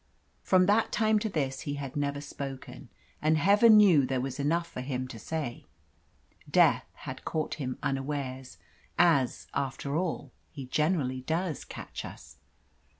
From that time to this he had never spoken, and Heaven knew there was enough for him to say. Death had caught him unawares as, after all, he generally does catch us.